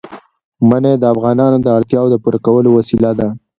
منی د افغانانو د اړتیاوو د پوره کولو وسیله ده.